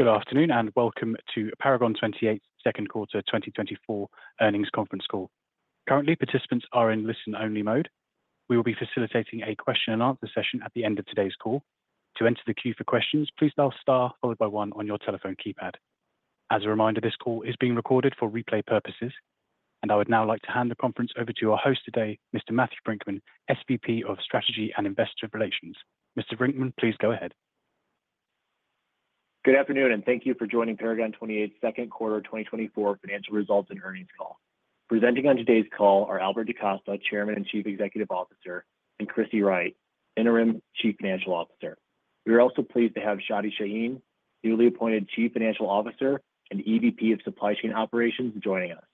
Good afternoon, and welcome to Paragon 28 Second Quarter 2024 Earnings Conference Call. Currently, participants are in listen-only mode. We will be facilitating a question and answer session at the end of today's call. To enter the queue for questions, please dial star followed by one on your telephone keypad. As a reminder, this call is being recorded for replay purposes, and I would now like to hand the conference over to our host today, Mr. Matthew Brinkman, SVP of Strategy and Investor Relations. Mr. Brinkman, please go ahead. Good afternoon, and thank you for joining Paragon 28 Second Quarter 2024 financial results and earnings call. Presenting on today's call are Albert DaCosta, Chairman and Chief Executive Officer, and Chrissy Wright, Interim Chief Financial Officer. We are also pleased to have Chadi Shaheen, newly appointed Chief Financial Officer and EVP of Supply Chain Operations, joining us.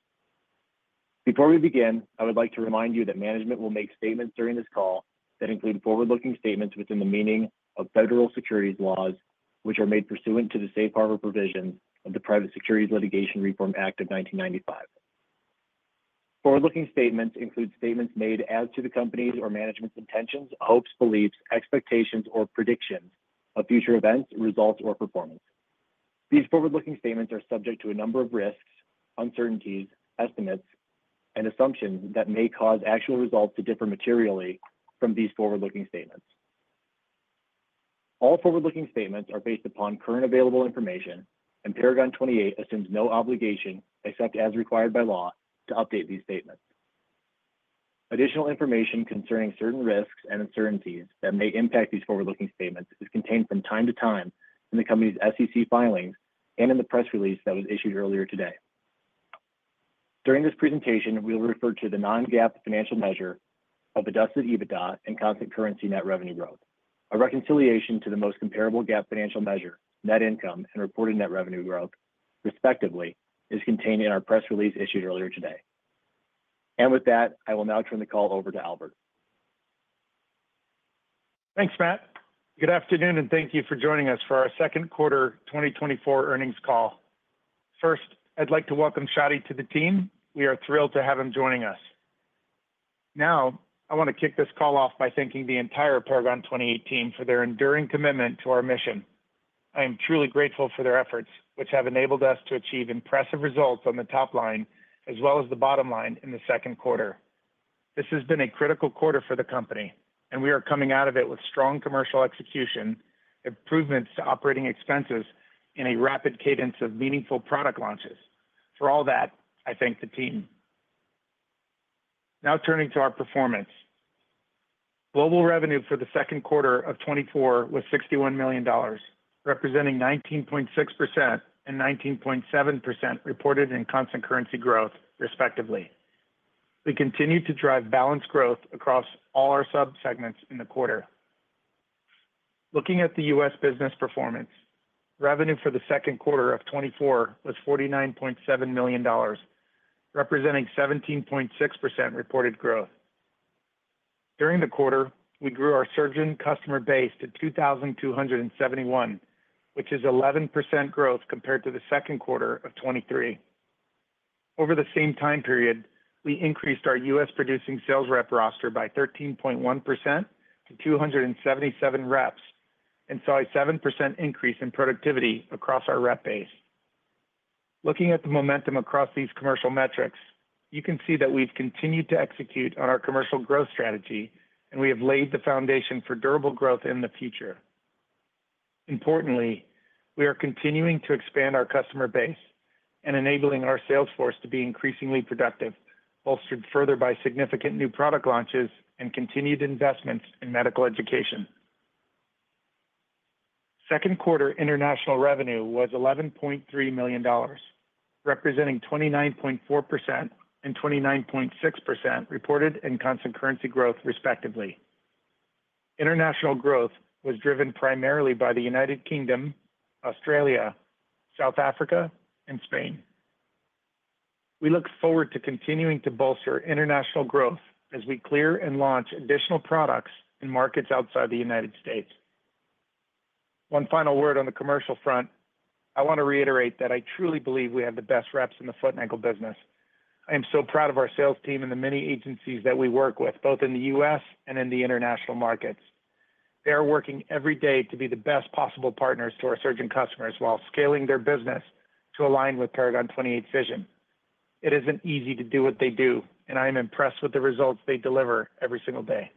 Before we begin, I would like to remind you that management will make statements during this call that include forward-looking statements within the meaning of federal securities laws, which are made pursuant to the Safe Harbor provision of the Private Securities Litigation Reform Act of 1995. Forward-looking statements include statements made as to the company's or management's intentions, hopes, beliefs, expectations, or predictions of future events, results, or performance. These forward-looking statements are subject to a number of risks, uncertainties, estimates, and assumptions that may cause actual results to differ materially from these forward-looking statements. All forward-looking statements are based upon current available information, and Paragon 28 assumes no obligation, except as required by law, to update these statements. Additional information concerning certain risks and uncertainties that may impact these forward-looking statements is contained from time to time in the company's SEC filings and in the press release that was issued earlier today. During this presentation, we'll refer to the non-GAAP financial measure of Adjusted EBITDA and constant currency net revenue growth. A reconciliation to the most comparable GAAP financial measure, net income and reported net revenue growth, respectively, is contained in our press release issued earlier today. With that, I will now turn the call over to Albert. Thanks, Matt. Good afternoon, and thank you for joining us for our second quarter 2024 earnings call. First, I'd like to welcome Chadi to the team. We are thrilled to have him joining us. Now, I want to kick this call off by thanking the entire Paragon 28 team for their enduring commitment to our mission. I am truly grateful for their efforts, which have enabled us to achieve impressive results on the top line as well as the bottom line in the second quarter. This has been a critical quarter for the company, and we are coming out of it with strong commercial execution, improvements to operating expenses, and a rapid cadence of meaningful product launches. For all that, I thank the team. Now turning to our performance. Global revenue for the second quarter of 2024 was $61 million, representing 19.6% and 19.7% reported in constant currency growth, respectively. We continued to drive balanced growth across all our subsegments in the quarter. Looking at the U.S. business performance, revenue for the second quarter of 2024 was $49.7 million, representing 17.6% reported growth. During the quarter, we grew our surgeon customer base to 2,271, which is 11% growth compared to the second quarter of 2023. Over the same time period, we increased our U.S. producing sales rep roster by 13.1% to 277 reps and saw a 7% increase in productivity across our rep base. Looking at the momentum across these commercial metrics, you can see that we've continued to execute on our commercial growth strategy, and we have laid the foundation for durable growth in the future. Importantly, we are continuing to expand our customer base and enabling our sales force to be increasingly productive, bolstered further by significant new product launches and continued investments in medical education. Second quarter international revenue was $11.3 million, representing 29.4% and 29.6% reported and constant currency growth, respectively. International growth was driven primarily by the United Kingdom, Australia, South Africa, and Spain. We look forward to continuing to bolster international growth as we clear and launch additional products in markets outside the United States. One final word on the commercial front. I want to reiterate that I truly believe we have the best reps in the foot and ankle business. I am so proud of our sales team and the many agencies that we work with, both in the U.S. and in the international markets. They are working every day to be the best possible partners to our surgeon customers while scaling their business to align with Paragon 28's vision. It isn't easy to do what they do, and I am impressed with the results they deliver every single day.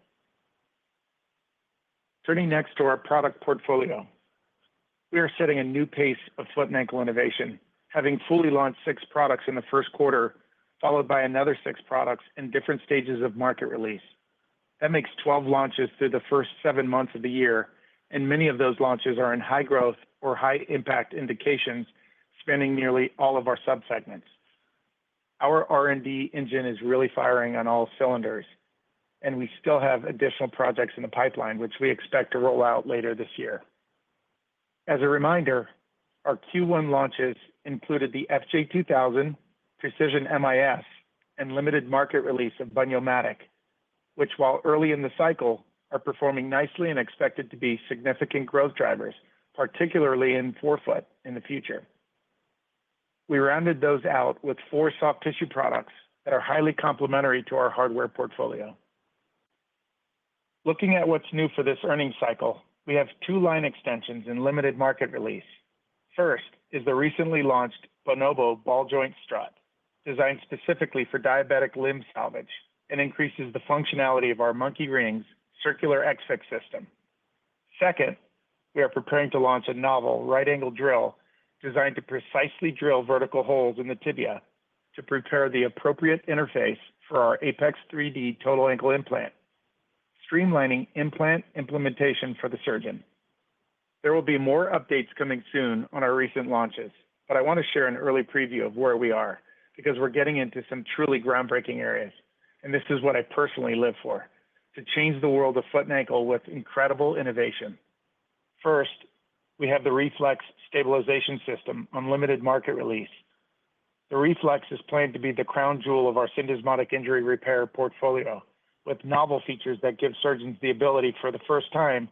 Turning next to our product portfolio. We are setting a new pace of foot and ankle innovation, having fully launched six products in the first quarter, followed by another six products in different stages of market release. That makes 12 launches through the first 7 months of the year, and many of those launches are in high growth or high impact indications, spanning nearly all of our subsegments. Our R&D engine is really firing on all cylinders, and we still have additional projects in the pipeline, which we expect to roll out later this year. As a reminder, our Q1 launches included the F3ZZ, Precision MIS, and limited market release of Bun-Yo-Matic, which, while early in the cycle, are performing nicely and expected to be significant growth drivers, particularly in forefoot in the future. We rounded those out with 4 soft tissue products that are highly complementary to our hardware portfolio.... Looking at what's new for this earnings cycle, we have two line extensions in limited market release. First is the recently launched Bonobo ball joint strut, designed specifically for diabetic limb salvage and increases the functionality of our Monkey Rings circular EX-Fix system. Second, we are preparing to launch a novel right angle drill, designed to precisely drill vertical holes in the tibia to prepare the appropriate interface for our APEX 3D total ankle implant, streamlining implant implementation for the surgeon. There will be more updates coming soon on our recent launches, but I want to share an early preview of where we are, because we're getting into some truly groundbreaking areas, and this is what I personally live for, to change the world of foot and ankle with incredible innovation. First, we have the R3FLEX Stabilization System on limited market release. The R3FLEX is planned to be the crown jewel of our syndesmotic injury repair portfolio, with novel features that give surgeons the ability, for the first time,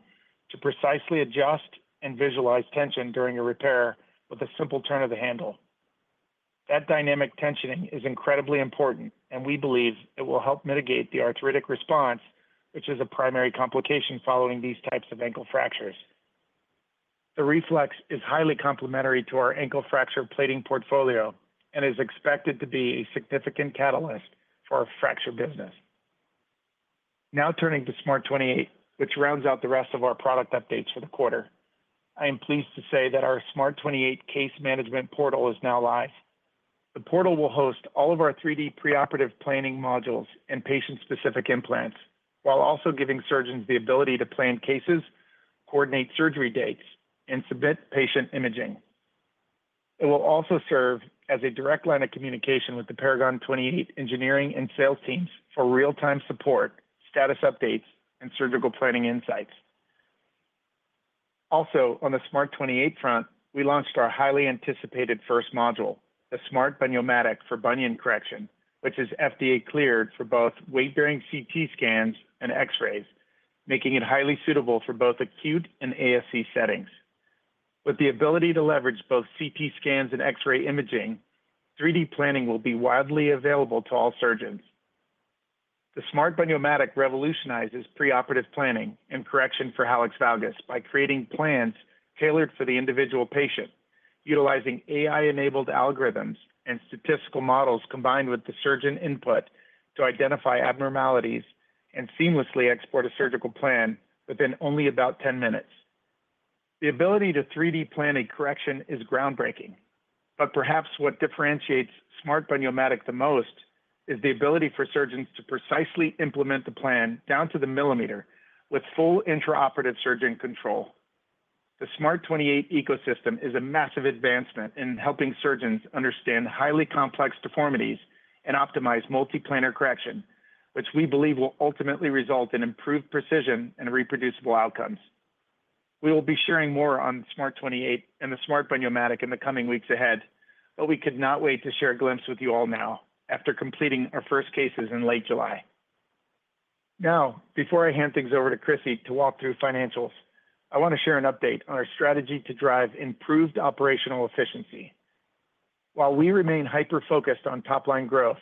to precisely adjust and visualize tension during a repair with a simple turn of the handle. That dynamic tensioning is incredibly important, and we believe it will help mitigate the arthritic response, which is a primary complication following these types of ankle fractures. The R3FLEX is highly complementary to our ankle fracture plating portfolio and is expected to be a significant catalyst for our fracture business. Now turning to SMART 28, which rounds out the rest of our product updates for the quarter. I am pleased to say that our SMART 28 case management portal is now live. The portal will host all of our 3D preoperative planning modules and patient-specific implants, while also giving surgeons the ability to plan cases, coordinate surgery dates, and submit patient imaging. It will also serve as a direct line of communication with the Paragon 28 engineering and sales teams for real-time support, status updates, and surgical planning insights. Also, on the SMART 28 front, we launched our highly anticipated first module, the SMART Bun-yo-matic for bunion correction, which is FDA-cleared for both weight-bearing CT scans and X-rays, making it highly suitable for both acute and ASC settings. With the ability to leverage both CT scans and X-ray imaging, 3D planning will be widely available to all surgeons. The SMART Bun-yo-matic revolutionizes preoperative planning and correction for hallux valgus by creating plans tailored for the individual patient, utilizing AI-enabled algorithms and statistical models combined with the surgeon input to identify abnormalities and seamlessly export a surgical plan within only about 10 minutes. The ability to 3D plan a correction is groundbreaking, but perhaps what differentiates SMART Bun-yo-matic the most is the ability for surgeons to precisely implement the plan down to the millimeter with full intraoperative surgeon control. The SMART 28 ecosystem is a massive advancement in helping surgeons understand highly complex deformities and optimize multiplanar correction, which we believe will ultimately result in improved precision and reproducible outcomes. We will be sharing more on SMART 28 and the SMART Bun-yo-matic in the coming weeks ahead, but we could not wait to share a glimpse with you all now, after completing our first cases in late July. Now, before I hand things over to Chrissy to walk through financials, I want to share an update on our strategy to drive improved operational efficiency. While we remain hyper-focused on top-line growth,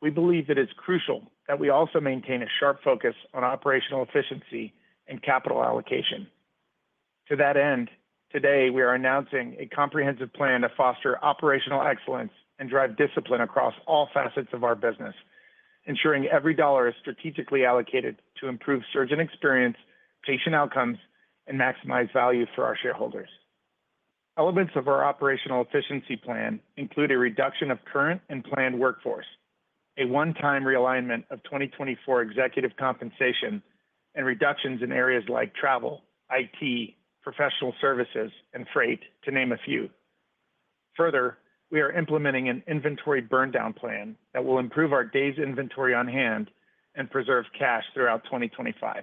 we believe that it's crucial that we also maintain a sharp focus on operational efficiency and capital allocation. To that end, today, we are announcing a comprehensive plan to foster operational excellence and drive discipline across all facets of our business, ensuring every dollar is strategically allocated to improve surgeon experience, patient outcomes, and maximize value for our shareholders. Elements of our operational efficiency plan include a reduction of current and planned workforce, a one-time realignment of 2024 executive compensation, and reductions in areas like travel, IT, professional services, and freight, to name a few. Further, we are implementing an inventory burndown plan that will improve our days' inventory on hand and preserve cash throughout 2025.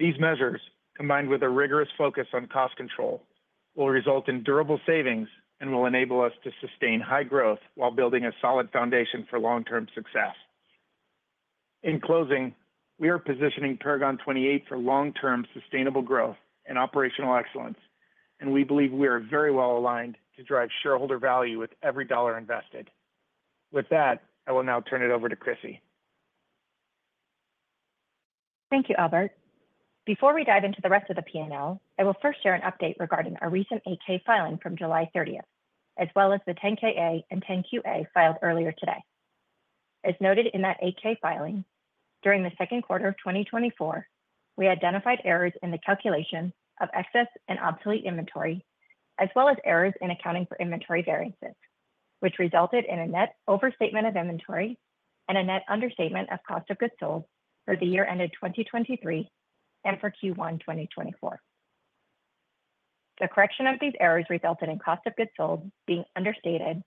These measures, combined with a rigorous focus on cost control, will result in durable savings and will enable us to sustain high growth while building a solid foundation for long-term success. In closing, we are positioning Paragon 28 for long-term sustainable growth and operational excellence, and we believe we are very well aligned to drive shareholder value with every dollar invested. With that, I will now turn it over to Chrissy. Thank you, Albert. Before we dive into the rest of the P&L, I will first share an update regarding our recent 8-K filing from July 30, as well as the 10-K/A and 10-Q/A filed earlier today. As noted in that 8-K filing, during the second quarter of 2024, we identified errors in the calculation of excess and obsolete inventory, as well as errors in accounting for inventory variances, which resulted in a net overstatement of inventory and a net understatement of cost of goods sold for the year ended 2023 and for Q1 2024. The correction of these errors resulted in cost of goods sold being understated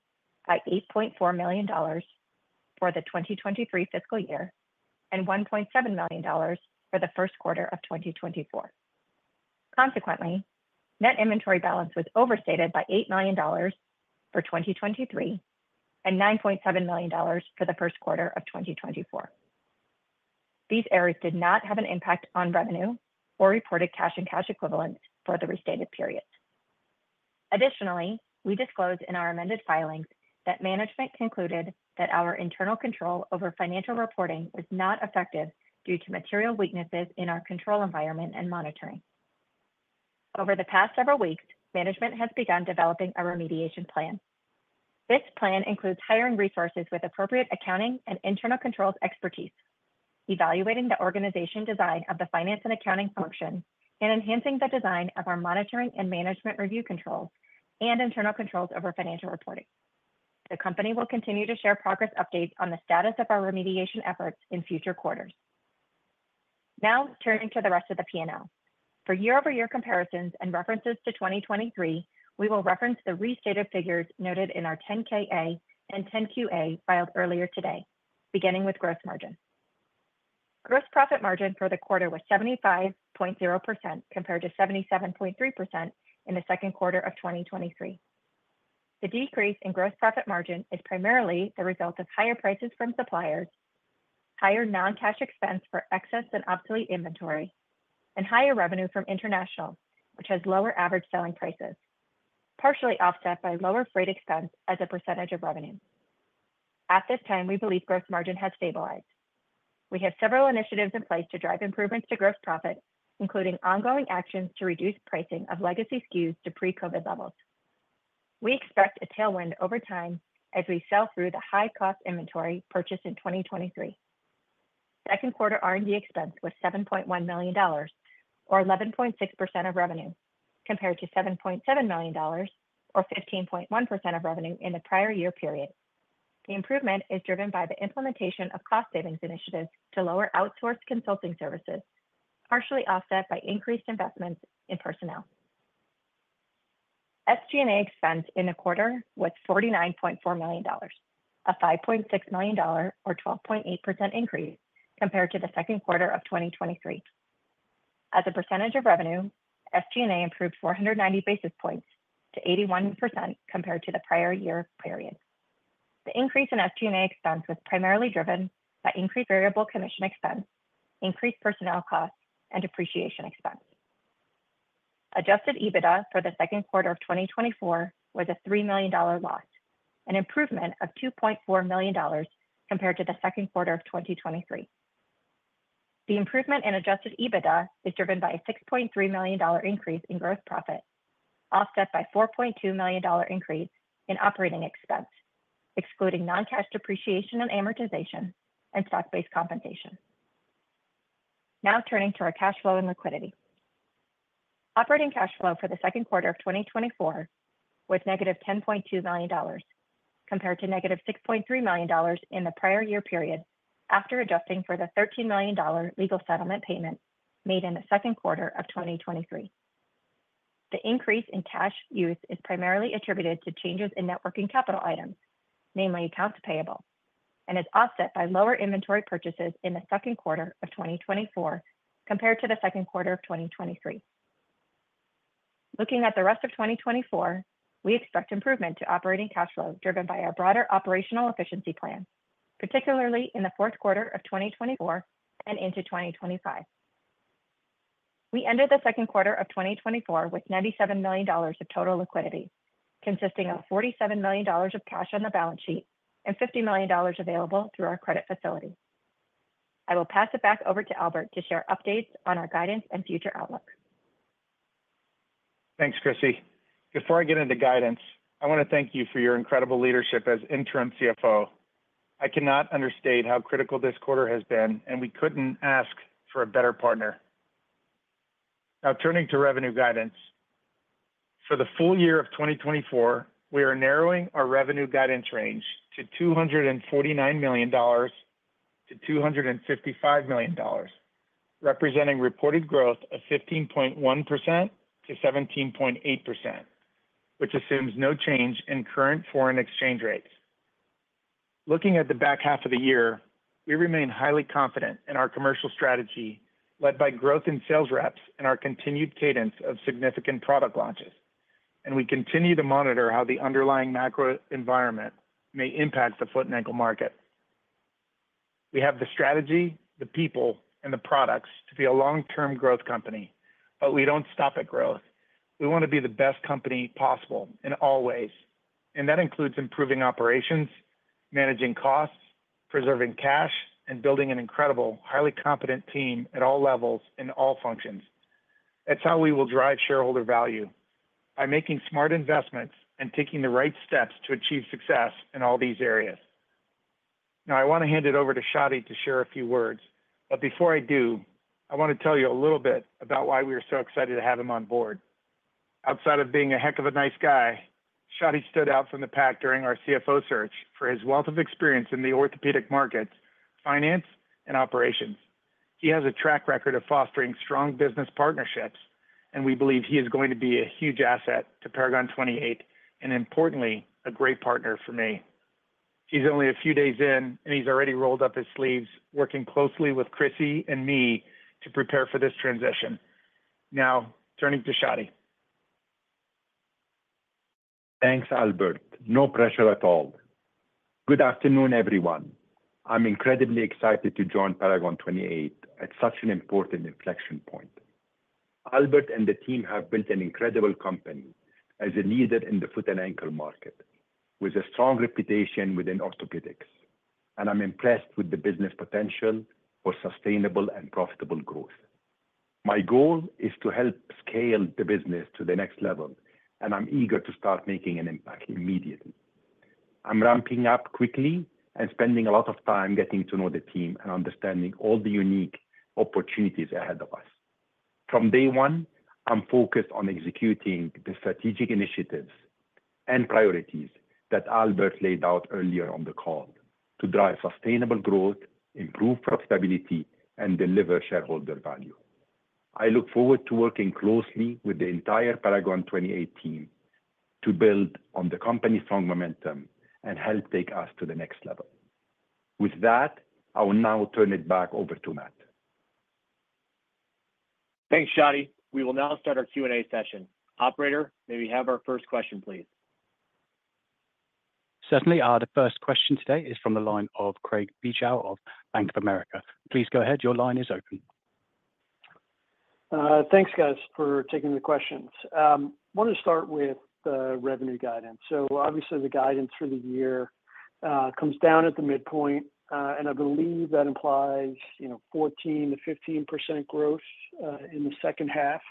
by $8.4 million for the 2023 fiscal year and $1.7 million for the first quarter of 2024. Consequently, net inventory balance was overstated by $8 million for 2023 and $9.7 million for the first quarter of 2024. These errors did not have an impact on revenue or reported cash and cash equivalents for the restated periods. Additionally, we disclosed in our amended filings that management concluded that our internal control over financial reporting was not effective due to material weaknesses in our control environment and monitoring. Over the past several weeks, management has begun developing a remediation plan. This plan includes hiring resources with appropriate accounting and internal controls expertise, evaluating the organization design of the finance and accounting function, and enhancing the design of our monitoring and management review controls and internal controls over financial reporting. The company will continue to share progress updates on the status of our remediation efforts in future quarters. Now, turning to the rest of the P&L. For year-over-year comparisons and references to 2023, we will reference the restated figures noted in our 10-K/A and 10-Q/A filed earlier today, beginning with gross margin. Gross profit margin for the quarter was 75.0%, compared to 77.3% in the second quarter of 2023. The decrease in gross profit margin is primarily the result of higher prices from suppliers, higher non-cash expense for excess and obsolete inventory, and higher revenue from international, which has lower average selling prices, partially offset by lower freight expense as a percentage of revenue. At this time, we believe gross margin has stabilized. We have several initiatives in place to drive improvements to gross profit, including ongoing actions to reduce pricing of legacy SKUs to pre-COVID levels. We expect a tailwind over time as we sell through the high-cost inventory purchased in 2023. Second quarter R&D expense was $7.1 million, or 11.6% of revenue, compared to $7.7 million or 15.1% of revenue in the prior year period. The improvement is driven by the implementation of cost savings initiatives to lower outsourced consulting services, partially offset by increased investments in personnel. SG&A expense in the quarter was $49.4 million, a $5.6 million, or 12.8% increase compared to the second quarter of 2023. As a percentage of revenue, SG&A improved 490 basis points to 81% compared to the prior year period. The increase in SG&A expense was primarily driven by increased variable commission expense, increased personnel costs, and depreciation expense. Adjusted EBITDA for the second quarter of 2024 was a $3 million dollar loss, an improvement of $2.4 million dollars compared to the second quarter of 2023. The improvement in adjusted EBITDA is driven by a $6.3 million dollar increase in gross profit, offset by $4.2 million dollar increase in operating expense, excluding non-cash depreciation and amortization and stock-based compensation. Now turning to our cash flow and liquidity. Operating cash flow for the second quarter of 2024 was -$10.2 million dollars, compared to -$6.3 million in the prior year period, after adjusting for the $13 million dollar legal settlement payment made in the second quarter of 2023. The increase in cash use is primarily attributed to changes in net working capital items, namely accounts payable, and is offset by lower inventory purchases in the second quarter of 2024 compared to the second quarter of 2023. Looking at the rest of 2024, we expect improvement to operating cash flow driven by our broader operational efficiency plan, particularly in the fourth quarter of 2024 and into 2025. We ended the second quarter of 2024 with $97 million of total liquidity, consisting of $47 million of cash on the balance sheet and $50 million available through our credit facility. I will pass it back over to Albert to share updates on our guidance and future outlook. Thanks, Chrissy. Before I get into guidance, I want to thank you for your incredible leadership as Interim CFO. I cannot understate how critical this quarter has been, and we couldn't ask for a better partner. Now, turning to revenue guidance. For the full year of 2024, we are narrowing our revenue guidance range to $249 million-$255 million, representing reported growth of 15.1%-17.8%, which assumes no change in current foreign exchange rates. Looking at the back half of the year, we remain highly confident in our commercial strategy, led by growth in sales reps and our continued cadence of significant product launches, and we continue to monitor how the underlying macro environment may impact the foot and ankle market. We have the strategy, the people, and the products to be a long-term growth company, but we don't stop at growth. We want to be the best company possible in all ways, and that includes improving operations, managing costs, preserving cash, and building an incredible, highly competent team at all levels in all functions. That's how we will drive shareholder value, by making smart investments and taking the right steps to achieve success in all these areas. Now, I want to hand it over to Shadi to share a few words, but before I do, I want to tell you a little bit about why we are so excited to have him on board. Outside of being a heck of a nice guy, Shadi stood out from the pack during our CFO search for his wealth of experience in the orthopedic market, finance and operations. He has a track record of fostering strong business partnerships, and we believe he is going to be a huge asset to Paragon 28, and importantly, a great partner for me. He's only a few days in, and he's already rolled up his sleeves, working closely with Chrissy and me to prepare for this transition. Now, turning to Shadi. Thanks, Albert. No pressure at all.... Good afternoon, everyone. I'm incredibly excited to join Paragon 28 at such an important inflection point. Albert and the team have built an incredible company as a leader in the foot and ankle market, with a strong reputation within orthopedics, and I'm impressed with the business potential for sustainable and profitable growth. My goal is to help scale the business to the next level, and I'm eager to start making an impact immediately. I'm ramping up quickly and spending a lot of time getting to know the team and understanding all the unique opportunities ahead of us. From day one, I'm focused on executing the strategic initiatives and priorities that Albert laid out earlier on the call, to drive sustainable growth, improve profitability, and deliver shareholder value. I look forward to working closely with the entire Paragon 28 team to build on the company's strong momentum and help take us to the next level. With that, I will now turn it back over to Matt. Thanks, Shadi. We will now start our Q&A session. Operator, may we have our first question, please? Certainly. The first question today is from the line of Craig Bijou of Bank of America. Please go ahead. Your line is open. Thanks, guys, for taking the questions. Wanted to start with the revenue guidance. So obviously the guidance for the year comes down at the midpoint, and I believe that implies, you know, 14%-15% growth in the second half,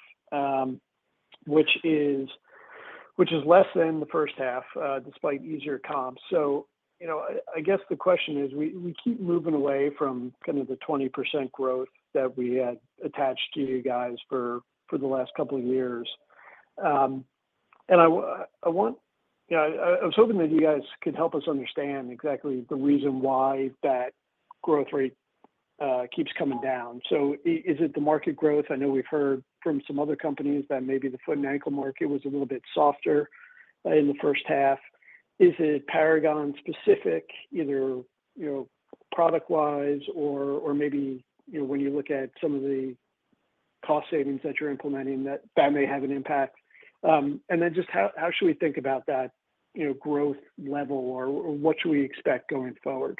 which is less than the first half, despite easier comps. So, you know, I guess the question is, we keep moving away from kind of the 20% growth that we had attached to you guys for the last couple of years. And I was hoping that you guys could help us understand exactly the reason why that growth rate keeps coming down. So is it the market growth? I know we've heard from some other companies that maybe the foot and ankle market was a little bit softer in the first half. Is it Paragon-specific, either, you know, product-wise or, or maybe, you know, when you look at some of the cost savings that you're implementing, that may have an impact? And then just how should we think about that, you know, growth level or, or what should we expect going forward?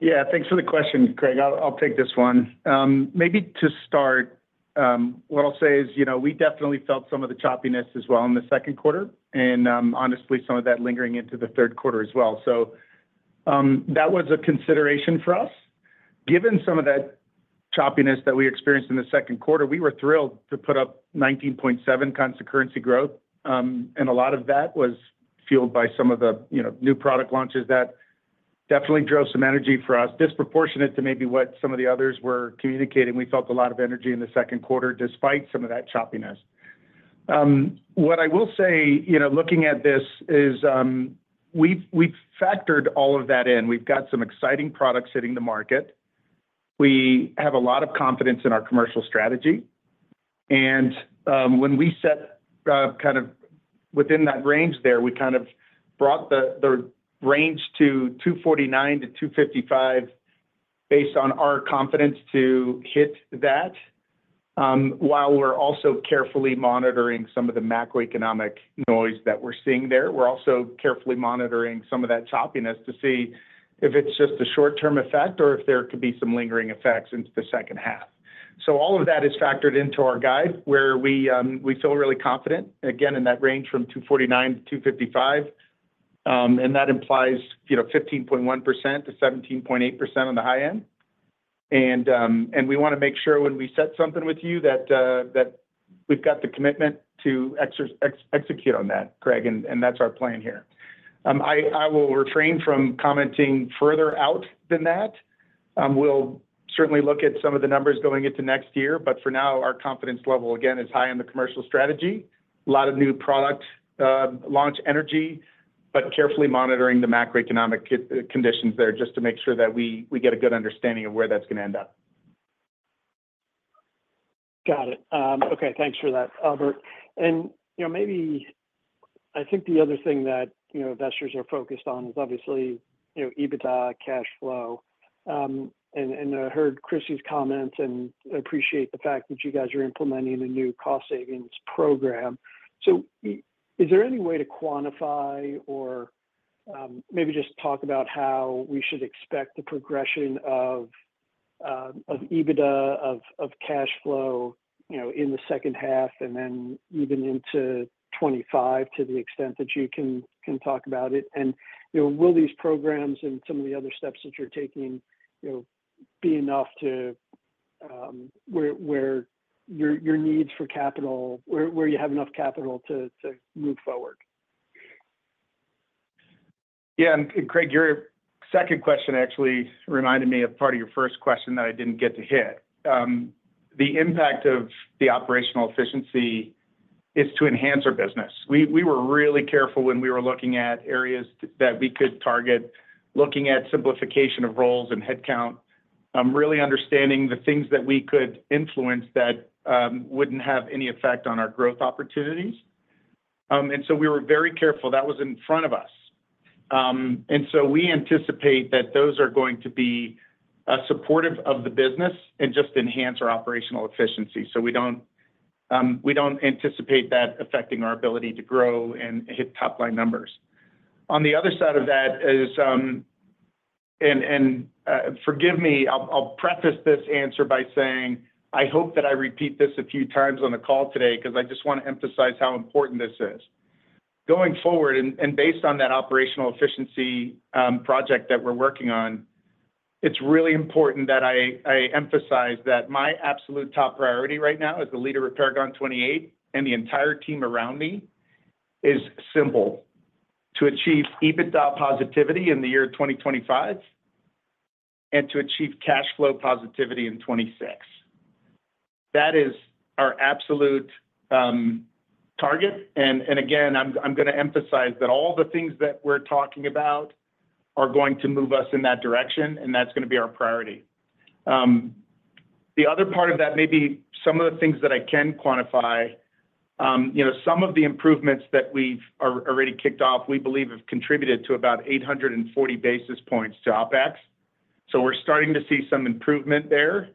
Yeah, thanks for the question, Craig. I'll take this one. Maybe to start, what I'll say is, you know, we definitely felt some of the choppiness as well in the second quarter, and, honestly, some of that lingering into the third quarter as well. So, that was a consideration for us. Given some of that choppiness that we experienced in the second quarter, we were thrilled to put up 19.7 constant currency growth. And a lot of that was fueled by some of the, you know, new product launches that definitely drove some energy for us, disproportionate to maybe what some of the others were communicating. We felt a lot of energy in the second quarter, despite some of that choppiness. What I will say, you know, looking at this, is, we've factored all of that in. We've got some exciting products hitting the market. We have a lot of confidence in our commercial strategy, and when we set kind of within that range there, we kind of brought the range to $249-$255, based on our confidence to hit that, while we're also carefully monitoring some of the macroeconomic noise that we're seeing there. We're also carefully monitoring some of that choppiness to see if it's just a short-term effect or if there could be some lingering effects into the second half. So all of that is factored into our guide, where we feel really confident, again, in that range from $249-$255. And that implies, you know, 15.1%-17.8% on the high end. We wanna make sure when we set something with you, that we've got the commitment to execute on that, Craig, and that's our plan here. I will refrain from commenting further out than that. We'll certainly look at some of the numbers going into next year, but for now, our confidence level, again, is high on the commercial strategy. A lot of new product launch energy, but carefully monitoring the macroeconomic conditions there, just to make sure that we get a good understanding of where that's gonna end up. Got it. Okay, thanks for that, Albert. And, you know, maybe I think the other thing that, you know, investors are focused on is obviously, you know, EBITDA cash flow. And, and I heard Chrissy's comments, and I appreciate the fact that you guys are implementing a new cost savings program. So is there any way to quantify or, maybe just talk about how we should expect the progression of EBITDA, of cash flow, you know, in the second half and then even into 2025, to the extent that you can talk about it? And, you know, will these programs and some of the other steps that you're taking, you know, be enough to where your needs for capital—where you have enough capital to move forward? Yeah, and Craig, your second question actually reminded me of part of your first question that I didn't get to hit. The impact of the operational efficiency is to enhance our business. We were really careful when we were looking at areas that we could target, looking at simplification of roles and headcount, really understanding the things that we could influence that wouldn't have any effect on our growth opportunities. And so we were very careful. That was in front of us. And so we anticipate that those are going to be supportive of the business and just enhance our operational efficiency, so we don't anticipate that affecting our ability to grow and hit top-line numbers. On the other side of that is, and forgive me, I'll preface this answer by saying, I hope that I repeat this a few times on the call today because I just want to emphasize how important this is. Going forward, and based on that operational efficiency project that we're working on, it's really important that I emphasize that my absolute top priority right now as the leader of Paragon 28 and the entire team around me is simple: to achieve EBITDA positivity in the year 2025, and to achieve cash flow positivity in 2026. That is our absolute target, and again, I'm gonna emphasize that all the things that we're talking about are going to move us in that direction, and that's gonna be our priority. The other part of that may be some of the things that I can quantify. You know, some of the improvements that we've already kicked off, we believe have contributed to about 840 basis points to OpEx. So we're starting to see some improvement there.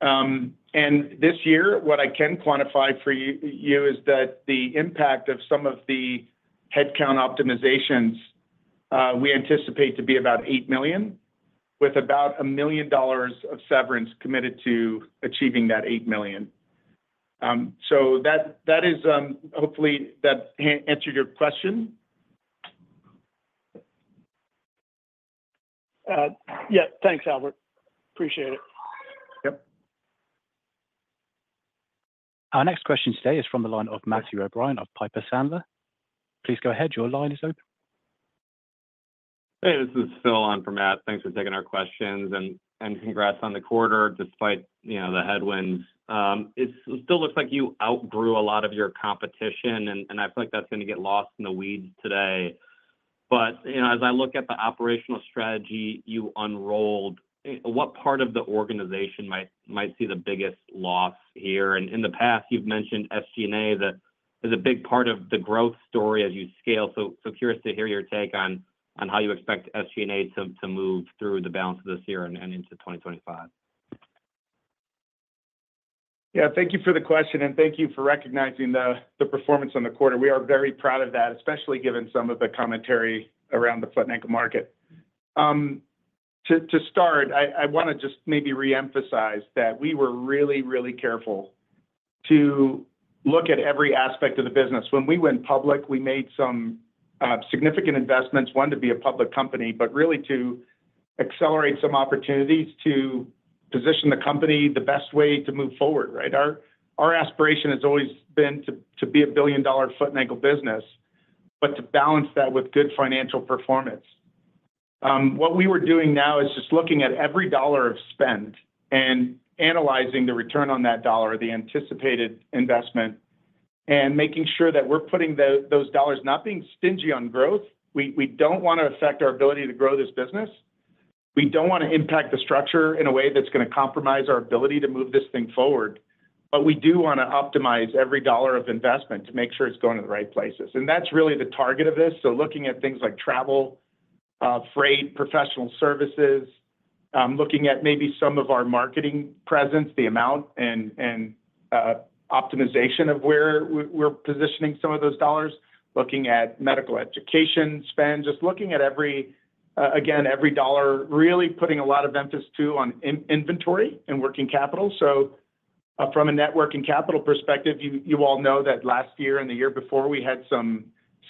And this year, what I can quantify for you is that the impact of some of the headcount optimizations, we anticipate to be about $8 million, with about $1 million of severance committed to achieving that $8 million. So that, that is, hopefully, that answered your question? Yeah. Thanks, Albert. Appreciate it. Yep. Our next question today is from the line of Matthew O'Brien of Piper Sandler. Please go ahead. Your line is open. Hey, this is Phil on for Matt. Thanks for taking our questions, and congrats on the quarter despite, you know, the headwinds. It still looks like you outgrew a lot of your competition, and I feel like that's gonna get lost in the weeds today. But, you know, as I look at the operational strategy you unrolled, what part of the organization might see the biggest loss here? And in the past, you've mentioned SG&A that is a big part of the growth story as you scale. So curious to hear your take on how you expect SG&A to move through the balance of this year and into 2025. Yeah, thank you for the question, and thank you for recognizing the, the performance on the quarter. We are very proud of that, especially given some of the commentary around the foot ankle market. To start, I wanna just maybe reemphasize that we were really, really careful to look at every aspect of the business. When we went public, we made some significant investments. One, to be a public company, but really to accelerate some opportunities to position the company the best way to move forward, right? Our aspiration has always been to be a billion-dollar foot and ankle business, but to balance that with good financial performance. What we were doing now is just looking at every dollar of spend and analyzing the return on that dollar, the anticipated investment, and making sure that we're putting those dollars, not being stingy on growth. We don't want to affect our ability to grow this business. We don't want to impact the structure in a way that's gonna compromise our ability to move this thing forward, but we do wanna optimize every dollar of investment to make sure it's going to the right places. And that's really the target of this. So looking at things like travel, freight, professional services, looking at maybe some of our marketing presence, the amount and optimization of where we're positioning some of those dollars. Looking at medical education spend, just looking at every, again, every dollar, really putting a lot of emphasis, too, on inventory and working capital. So, from a net working capital perspective, you all know that last year and the year before, we had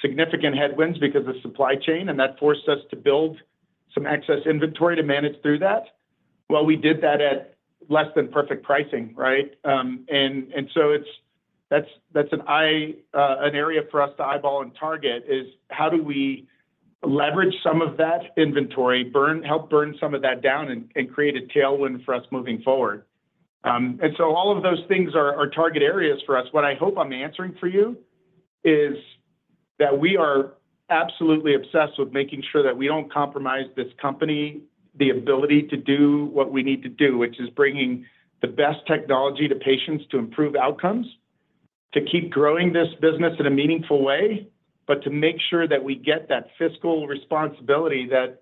some significant headwinds because of supply chain, and that forced us to build some excess inventory to manage through that. Well, we did that at less than perfect pricing, right? And so it's—that's an area for us to eyeball and target, is how do we leverage some of that inventory, help burn some of that down and create a tailwind for us moving forward? And so all of those things are target areas for us. What I hope I'm answering for you is that we are absolutely obsessed with making sure that we don't compromise this company, the ability to do what we need to do, which is bringing the best technology to patients to improve outcomes, to keep growing this business in a meaningful way, but to make sure that we get that fiscal responsibility that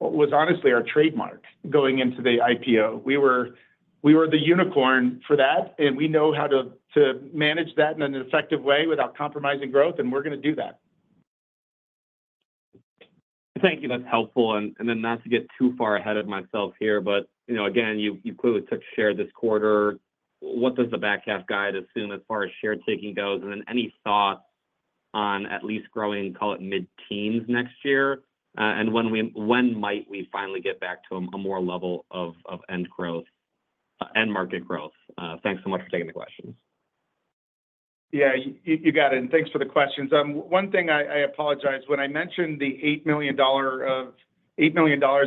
was honestly our trademark going into the IPO. We were, we were the unicorn for that, and we know how to, to manage that in an effective way without compromising growth, and we're gonna do that. Thank you. That's helpful. And then not to get too far ahead of myself here, but, you know, again, you clearly took share this quarter. What does the back half guide assume as far as share taking goes? And then any thoughts on at least growing, call it mid-teens next year? And when might we finally get back to a more level of end growth, end market growth? Thanks so much for taking the questions. Yeah, you, you got it, and thanks for the questions. One thing, I apologize. When I mentioned the $8 million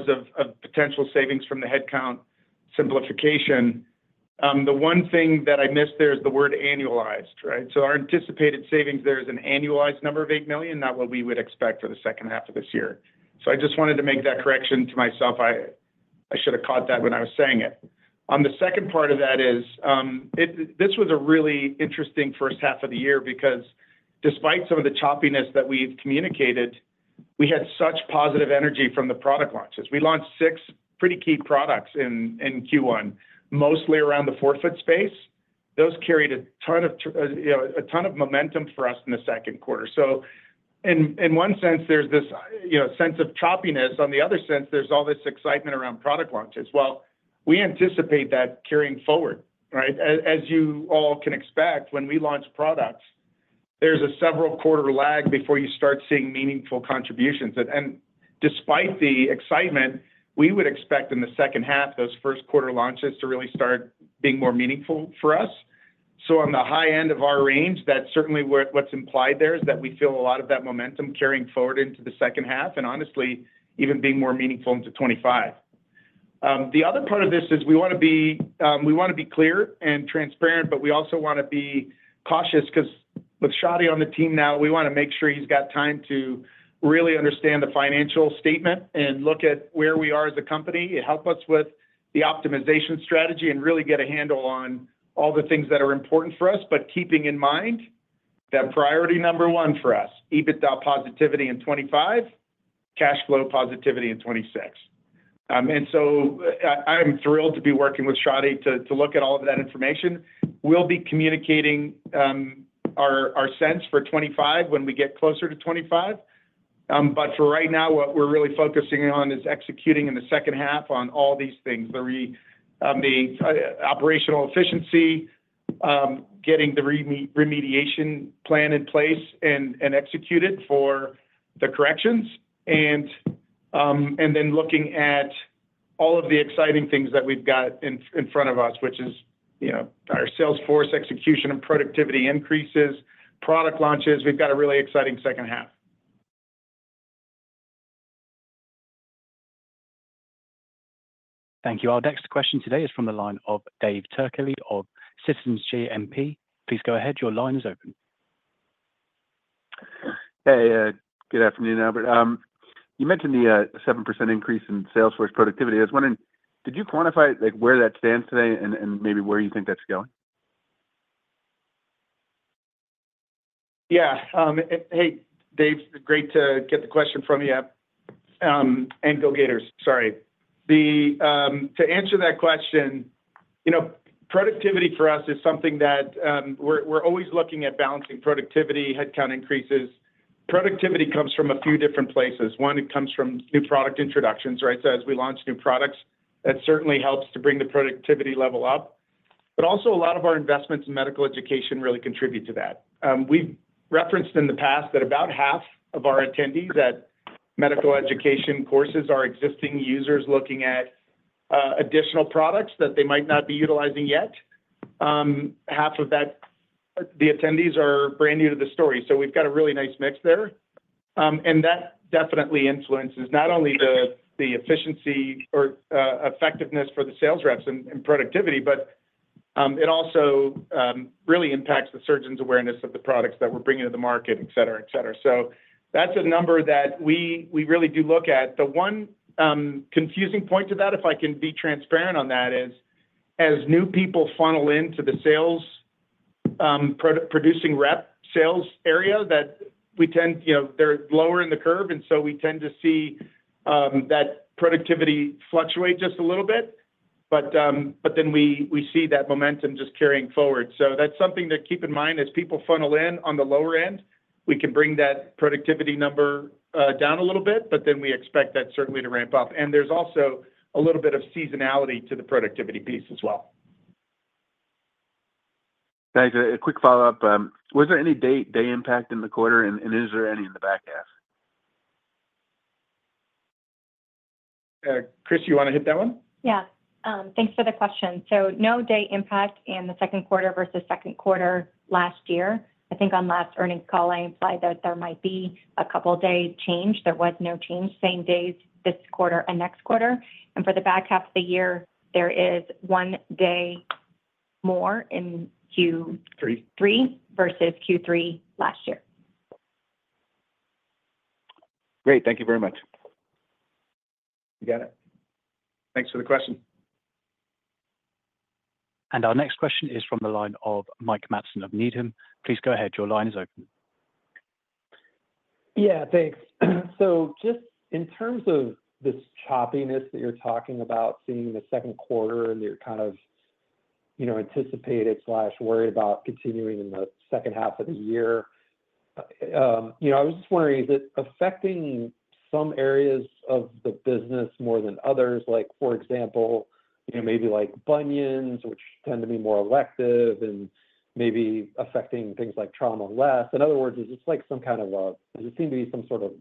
of potential savings from the headcount simplification, the one thing that I missed there is the word annualized, right? So our anticipated savings there is an annualized number of $8 million, not what we would expect for the second half of this year. So I just wanted to make that correction to myself. I should have caught that when I was saying it. The second part of that is, this was a really interesting first half of the year because despite some of the choppiness that we've communicated, we had such positive energy from the product launches. We launched six pretty key products in Q1, mostly around the forefoot space. Those carried a ton of, you know, a ton of momentum for us in the second quarter. So in one sense, there's this, you know, sense of choppiness, on the other sense, there's all this excitement around product launches. Well, we anticipate that carrying forward, right? As you all can expect, when we launch products, there's a several quarter lag before you start seeing meaningful contributions. And despite the excitement, we would expect in the second half, those first quarter launches to really start being more meaningful for us. So on the high end of our range, that's certainly where what's implied there is that we feel a lot of that momentum carrying forward into the second half, and honestly, even being more meaningful into 25. The other part of this is we wanna be, we wanna be clear and transparent, but we also wanna be cautious, 'cause with Shadi on the team now, we wanna make sure he's got time to really understand the financial statement and look at where we are as a company, and help us with the optimization strategy, and really get a handle on all the things that are important for us. But keeping in mind, that priority number one for us, EBITDA positivity in 2025, cash flow positivity in 2026. And so, I'm thrilled to be working with Shadi to look at all of that information. We'll be communicating our sense for 2025 when we get closer to 2025. But for right now, what we're really focusing on is executing in the second half on all these things. The operational efficiency, getting the remediation plan in place and executed for the corrections, and then looking at all of the exciting things that we've got in front of us, which is, you know, our sales force execution and productivity increases, product launches. We've got a really exciting second half. Thank you. Our next question today is from the line of David Turkaly of Citizens JMP. Please go ahead. Your line is open. Hey, good afternoon, Albert. You mentioned the 7% increase in sales force productivity. I was wondering, did you quantify, like, where that stands today and maybe where you think that's going? Yeah. Hey, Dave, great to get the question from you. And go Gators, sorry. To answer that question, you know, productivity for us is something that... We're always looking at balancing productivity, headcount increases. Productivity comes from a few different places. One, it comes from new product introductions, right? So as we launch new products, that certainly helps to bring the productivity level up, but also a lot of our investments in medical education really contribute to that. We've referenced in the past that about half of our attendees at medical education courses are existing users looking at additional products that they might not be utilizing yet. Half of that, the attendees are brand new to the story. So we've got a really nice mix there. And that definitely influences not only the efficiency or effectiveness for the sales reps and productivity, but it also really impacts the surgeons' awareness of the products that we're bringing to the market, et cetera, et cetera. So that's a number that we really do look at. The one confusing point to that, if I can be transparent on that, is, as new people funnel into the sales productivity-producing rep sales area, that we tend—you know, they're lower in the curve, and so we tend to see that productivity fluctuate just a little bit. But then we see that momentum just carrying forward. So that's something to keep in mind. As people funnel in on the lower end, we can bring that productivity number down a little bit, but then we expect that certainly to ramp up. There's also a little bit of seasonality to the productivity piece as well. Guys, a quick follow-up. Was there any day impact in the quarter, and is there any in the back half? Chris, you wanna hit that one? Yeah. Thanks for the question. So no day impact in the second quarter versus second quarter last year. I think on last earnings call, I implied that there might be a couple of days change. There was no change, same days this quarter and next quarter. And for the back half of the year, there is one day more in Q- Three... 3 versus Q3 last year. Great. Thank you very much. You got it. Thanks for the question. And our next question is from the line of Mike Matson of Needham. Please go ahead. Your line is open. Yeah, thanks. So just in terms of this choppiness that you're talking about seeing in the second quarter, and you're kind of, you know, anticipated or worried about continuing in the second half of the year, you know, I was just wondering, is it affecting some areas of the business more than others? Like, for example, you know, maybe like bunions, which tend to be more elective and maybe affecting things like trauma less. In other words, is this like some kind of? Does it seem to be some sort of,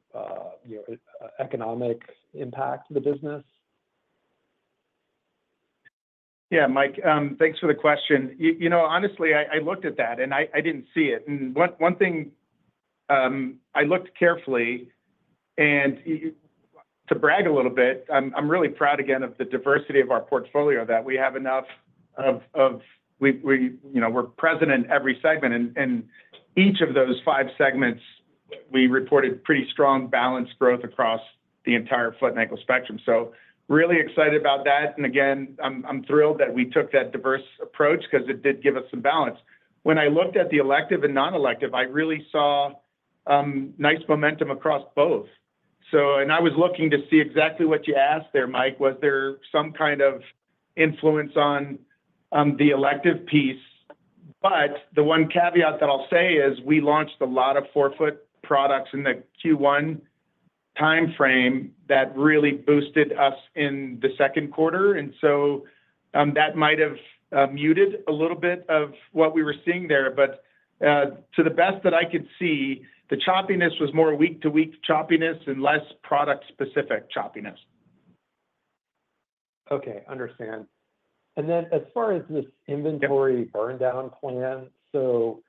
you know, economic impact to the business? Yeah, Mike, thanks for the question. You know, honestly, I looked at that, and I didn't see it. And one thing, I looked carefully, and to brag a little bit, I'm really proud again of the diversity of our portfolio, that we have enough of – you know, we're present in every segment, and each of those five segments, we reported pretty strong, balanced growth across the entire foot and ankle spectrum. So really excited about that, and again, I'm thrilled that we took that diverse approach because it did give us some balance. When I looked at the elective and non-elective, I really saw nice momentum across both. So and I was looking to see exactly what you asked there, Mike, was there some kind of influence on the elective piece? But the one caveat that I'll say is, we launched a lot of forefoot products in the Q1 timeframe that really boosted us in the second quarter, and so, that might have muted a little bit of what we were seeing there. But, to the best that I could see, the choppiness was more week-to-week choppiness and less product-specific choppiness. Okay, understand. And then, as far as this inventory burn down plan, so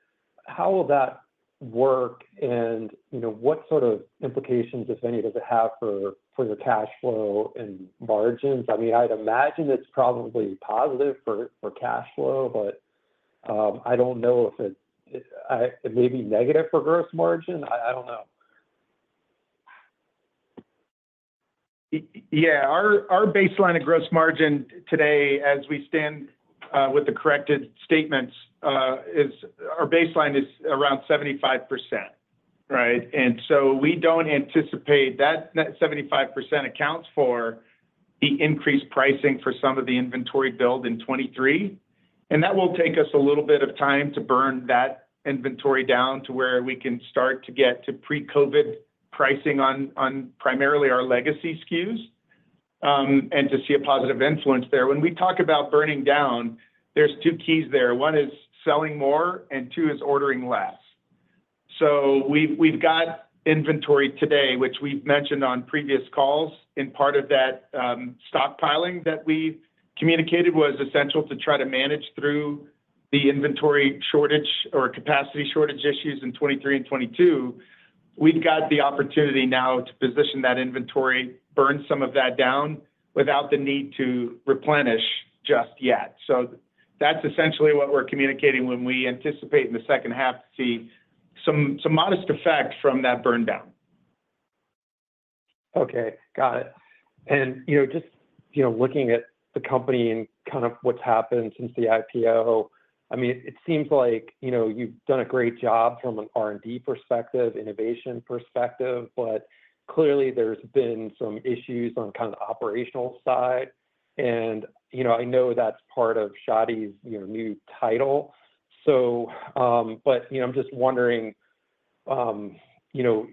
how will that work? And, you know, what sort of implications, if any, does it have for your cash flow and margins? I mean, I'd imagine it's probably positive for cash flow, but I don't know if it may be negative for gross margin. I don't know. Yeah, our, our baseline of gross margin today, as we stand, with the corrected statements, is our baseline is around 75%, right? And so we don't anticipate. That 75% accounts for the increased pricing for some of the inventory build in 2023, and that will take us a little bit of time to burn that inventory down to where we can start to get to pre-COVID pricing on, on primarily our legacy SKUs, and to see a positive influence there. When we talk about burning down, there's two keys there. One is selling more, and two is ordering less. So we've, we've got inventory today, which we've mentioned on previous calls, in part of that, stockpiling that we've communicated was essential to try to manage through the inventory shortage or capacity shortage issues in 2023 and 2022. We've got the opportunity now to position that inventory, burn some of that down without the need to replenish just yet. So that's essentially what we're communicating when we anticipate in the second half to see some modest effect from that burn down. Okay, got it. And, you know, just, you know, looking at the company and kind of what's happened since the IPO, I mean, it seems like, you know, you've done a great job from an R&D perspective, innovation perspective, but clearly, there's been some issues on kind of the operational side, and, you know, I know that's part of Shadi's, you know, new title. So, but, you know, I'm just wondering, you know,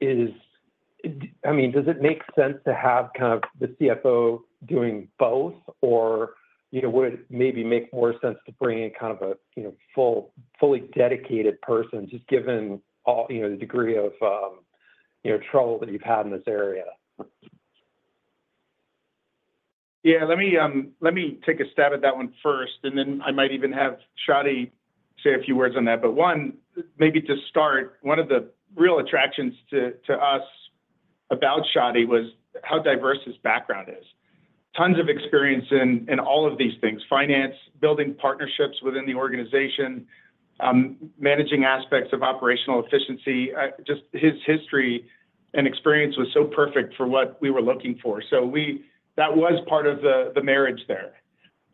is—I mean, does it make sense to have kind of the CFO doing both, or, you know, would it maybe make more sense to bring in kind of a, you know, fully dedicated person, just given all, you know, the degree of, you know, trouble that you've had in this area? Yeah, let me, let me take a stab at that one first, and then I might even have Shadi say a few words on that. But one, maybe to start, one of the real attractions to, to us about Shadi was how diverse his background is. Tons of experience in, in all of these things: finance, building partnerships within the organization, managing aspects of operational efficiency. Just his history and experience was so perfect for what we were looking for. So we, that was part of the, the marriage there.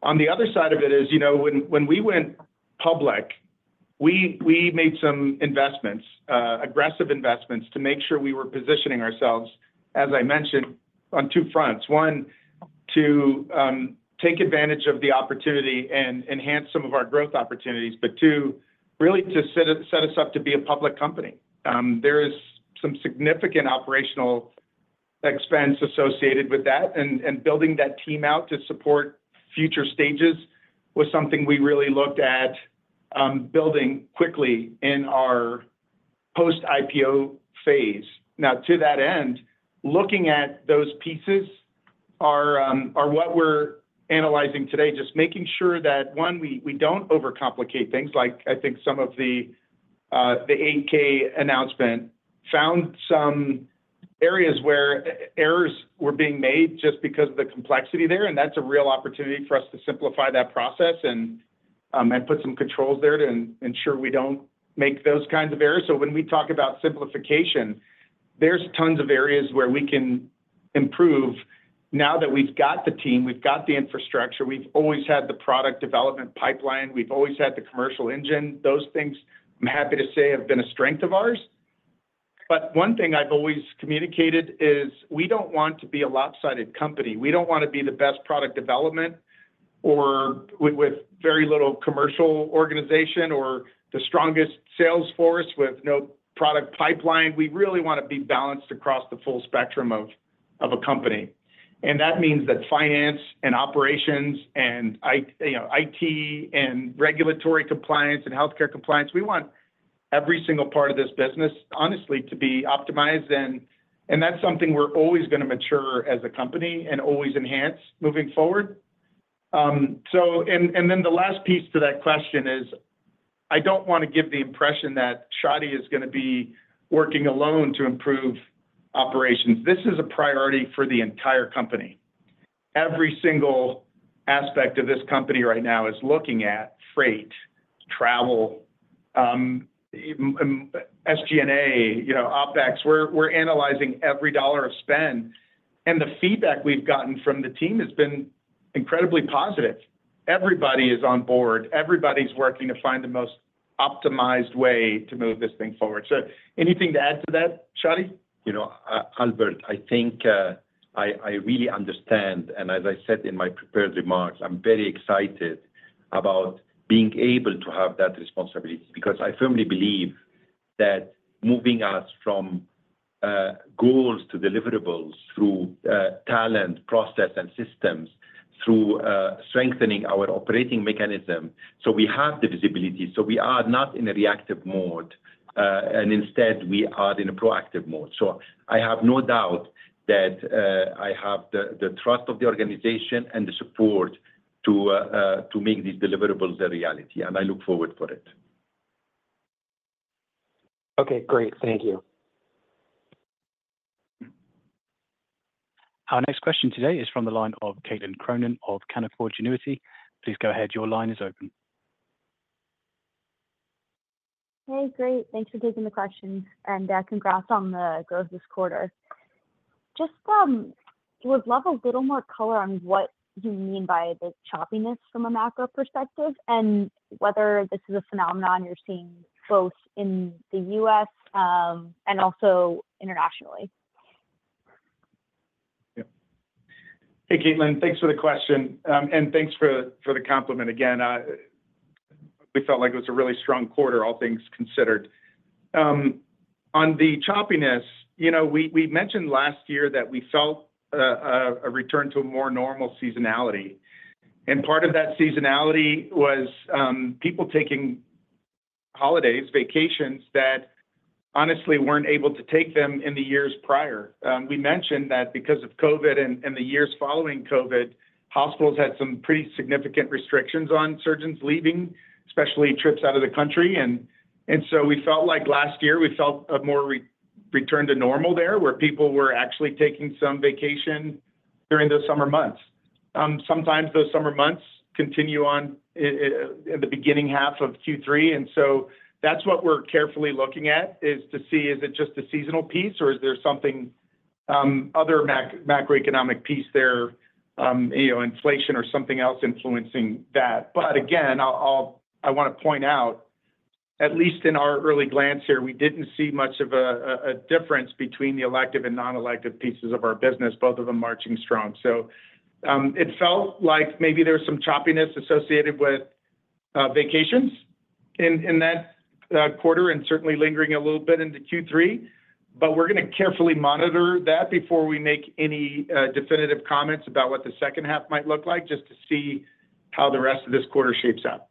On the other side of it is, you know, when, when we went public, we, we made some investments, aggressive investments to make sure we were positioning ourselves, as I mentioned, on two fronts. One, to take advantage of the opportunity and enhance some of our growth opportunities, but two, really to set us, set us up to be a public company. There is some significant operational expense associated with that, and, and building that team out to support future stages was something we really looked at, building quickly in our post-IPO phase. Now, to that end, looking at those pieces are what we're analyzing today, just making sure that, one, we, we don't overcomplicate things like I think some of the, the 8-K announcement found some areas where errors were being made just because of the complexity there, and that's a real opportunity for us to simplify that process and, and put some controls there to ensure we don't make those kinds of errors. So when we talk about simplification, there's tons of areas where we can improve now that we've got the team, we've got the infrastructure, we've always had the product development pipeline, we've always had the commercial engine. Those things, I'm happy to say, have been a strength of ours. But one thing I've always communicated is we don't want to be a lopsided company. We don't want to be the best product development or with, with very little commercial organization or the strongest sales force with no product pipeline. We really want to be balanced across the full spectrum of, of a company. And that means that finance and operations and I, you know, IT, and regulatory compliance and healthcare compliance, we want every single part of this business, honestly, to be optimized, and, and that's something we're always going to mature as a company and always enhance moving forward. And then the last piece to that question is, I don't want to give the impression that Shadi is gonna be working alone to improve operations. This is a priority for the entire company... Every single aspect of this company right now is looking at freight, travel, but SG&A, you know, OpEx. We're analyzing every dollar of spend, and the feedback we've gotten from the team has been incredibly positive. Everybody is on board. Everybody's working to find the most optimized way to move this thing forward. So anything to add to that, Shadi? You know, Albert, I think I really understand, and as I said in my prepared remarks, I'm very excited about being able to have that responsibility. Because I firmly believe that moving us from goals to deliverables through talent, process, and systems, through strengthening our operating mechanism, so we have the visibility, so we are not in a reactive mode, and instead we are in a proactive mode. So I have no doubt that I have the trust of the organization and the support to make these deliverables a reality, and I look forward for it. Okay, great. Thank you. Our next question today is from the line of Caitlin Cronin of Canaccord Genuity. Please go ahead. Your line is open. Hey, great. Thanks for taking the question, and congrats on the growth this quarter. Just would love a little more color on what you mean by the choppiness from a macro perspective, and whether this is a phenomenon you're seeing both in the U.S., and also internationally. Yeah. Hey, Caitlin. Thanks for the question, and thanks for the compliment again. We felt like it was a really strong quarter, all things considered. On the choppiness, you know, we mentioned last year that we felt a return to a more normal seasonality, and part of that seasonality was people taking holidays, vacations that honestly weren't able to take them in the years prior. We mentioned that because of COVID and the years following COVID, hospitals had some pretty significant restrictions on surgeons leaving, especially trips out of the country. And so we felt like last year we felt a more return to normal there, where people were actually taking some vacation during those summer months. Sometimes those summer months continue on in the beginning half of Q3, and so that's what we're carefully looking at, is to see, is it just a seasonal piece, or is there something other macroeconomic piece there, you know, inflation or something else influencing that? But again, I'll wanna point out, at least in our early glance here, we didn't see much of a difference between the elective and non-elective pieces of our business, both of them marching strong. So, it felt like maybe there was some choppiness associated with vacations in that quarter, and certainly lingering a little bit into Q3, but we're gonna carefully monitor that before we make any definitive comments about what the second half might look like, just to see how the rest of this quarter shapes up.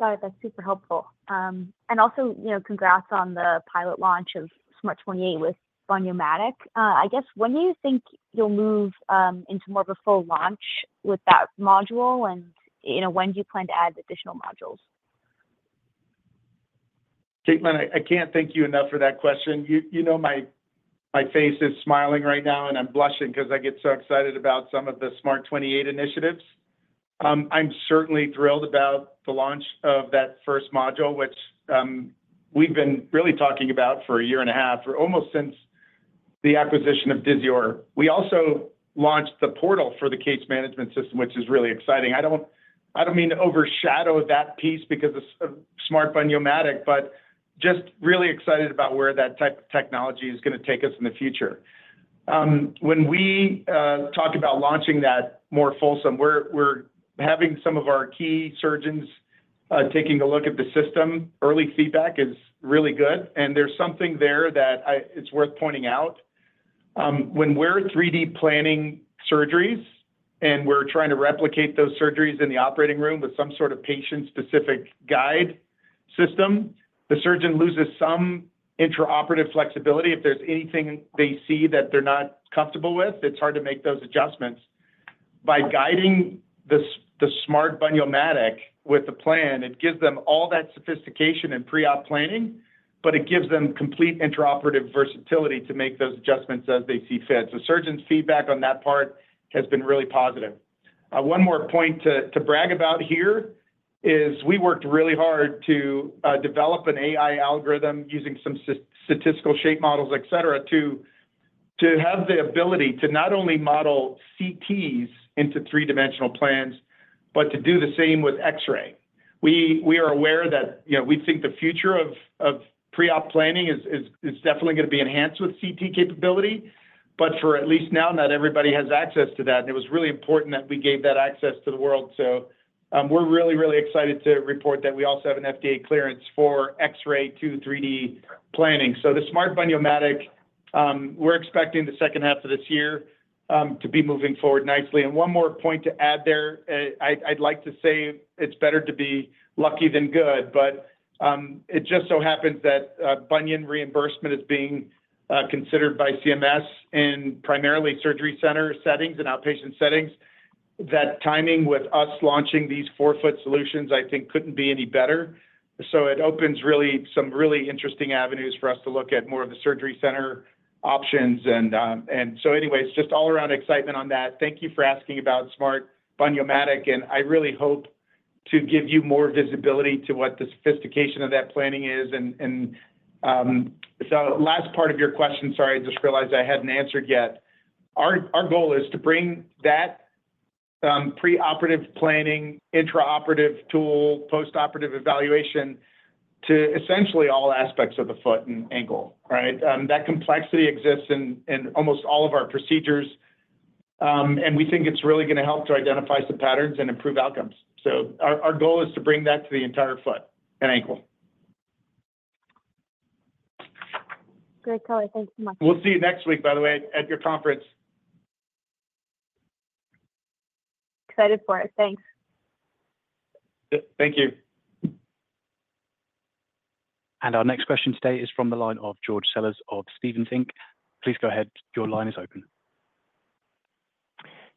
Got it. That's super helpful. And also, you know, congrats on the pilot launch of SMART 28 with Bun-yo-matic. I guess, when do you think you'll move into more of a full launch with that module? And, you know, when do you plan to add additional modules? Caitlin, I can't thank you enough for that question. You know, my face is smiling right now, and I'm blushing 'cause I get so excited about some of the SMART 28 initiatives. I'm certainly thrilled about the launch of that first module, which we've been really talking about for a year and a half, or almost since the acquisition of Disior. We also launched the portal for the case management system, which is really exciting. I don't mean to overshadow that piece because of S- of SMART Bun-yo-matic, but just really excited about where that type of technology is gonna take us in the future. When we talk about launching that more fulsome, we're having some of our key surgeons taking a look at the system. Early feedback is really good, and there's something there that it's worth pointing out. When we're 3D planning surgeries, and we're trying to replicate those surgeries in the operating room with some sort of patient-specific guide system, the surgeon loses some intraoperative flexibility. If there's anything they see that they're not comfortable with, it's hard to make those adjustments. By guiding the SMART Bun-yo-matic with the plan, it gives them all that sophistication in pre-op planning, but it gives them complete intraoperative versatility to make those adjustments as they see fit. So surgeons' feedback on that part has been really positive. One more point to brag about here is we worked really hard to develop an AI algorithm using some statistical shape models, et cetera, to have the ability to not only model CTs into three-dimensional plans, but to do the same with X-ray. We are aware that, you know, we think the future of pre-op planning is definitely gonna be enhanced with CT capability, but for at least now, not everybody has access to that, and it was really important that we gave that access to the world. So, we're really, really excited to report that we also have an FDA clearance for X-ray to 3D planning. So the SMART Bun-yo-matic, we're expecting the second half of this year to be moving forward nicely. And one more point to add there, I'd like to say it's better to be lucky than good, but it just so happens that bunion reimbursement is being considered by CMS in primarily surgery center settings and outpatient settings. That timing with us launching these forefoot solutions, I think, couldn't be any better. So it opens really some really interesting avenues for us to look at more of the surgery center options. And so anyway, it's just all around excitement on that. Thank you for asking about Smart Bun-yo-matic, and I really hope to give you more visibility to what the sophistication of that planning is. And so last part of your question, sorry, I just realized I hadn't answered yet. Our goal is to bring that, preoperative planning, intraoperative tool, postoperative evaluation to essentially all aspects of the foot and ankle, right? That complexity exists in almost all of our procedures, and we think it's really going to help to identify some patterns and improve outcomes. So our goal is to bring that to the entire foot and ankle. Great. Kelly, thanks so much. We'll see you next week, by the way, at your conference. Excited for it. Thanks. Thank you. Our next question today is from the line of George Sellers of Stephens Inc. Please go ahead. Your line is open.